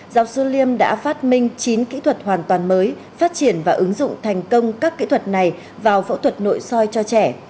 giáo sư liêm đã phát minh chín kỹ thuật hoàn toàn mới phát triển và ứng dụng thành công các kỹ thuật này vào phẫu thuật nội soi cho trẻ